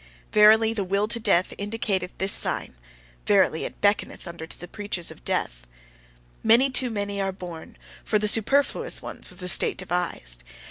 Verily, the will to death, indicateth this sign! Verily, it beckoneth unto the preachers of death! Many too many are born: for the superfluous ones was the state devised!